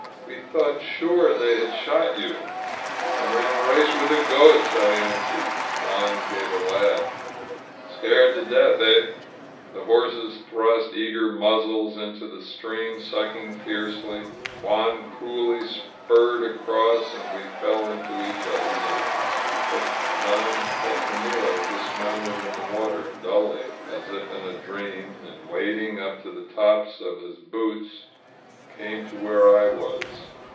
We thought sure they had shot you." "I ran a race with the goats," I answered. Juan gave a laugh. Scared to death, eh?" The horses thrust eager muzzles into the stream, sucking fiercely. Juan cruelly spurred across, and we fell into each other's arms. But Don Petronilo dis mounted in the water, dully, as if in a dream, and, wading up to the tops of his boots, came to where I was.